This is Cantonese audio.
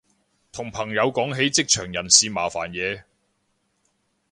同朋友講起職場人事麻煩嘢